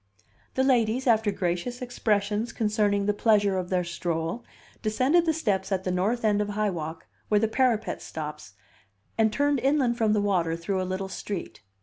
The ladies, after gracious expressions concerning the pleasure of their stroll, descended the steps at the north end of High Walk, where the parapet stops, and turned inland from the water through a little street.